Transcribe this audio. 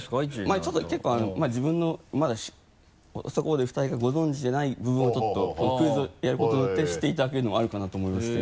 まぁちょっと結構自分のまだそこまで２人がご存じでない部分をちょっとクイズをやることによって知っていただけるのもあるかなと思いまして。